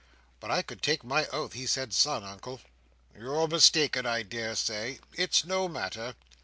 But I could take my oath he said son, Uncle." "You're mistaken I daresay. It's no matter."